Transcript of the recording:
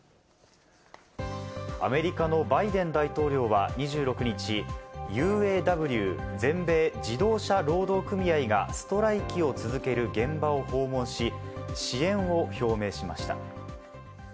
アメリカのバイデン大統領は２６日、ＵＡＷ＝全米自動車労働組合がストライキを続ける現場を訪問し、支援を表明しました。